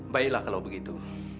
baiklah kalau begitu